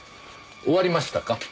終わりましたか？